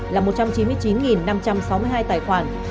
là một trăm chín mươi chín năm trăm sáu mươi hai tài khoản